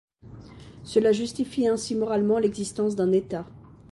Cela justifie ainsi moralement l'existence d'un État.